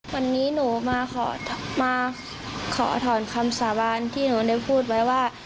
วันนี้หนูมาขอถอนคำสาบานที่หนูได้พูดไว้ว่า